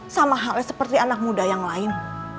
sama halnya seperti anak muda yang lain